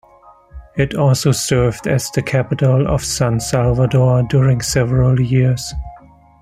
It also served as the capital of San Salvador during several years.